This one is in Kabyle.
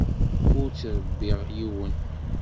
Ur ttṛebbiɣ yiwen.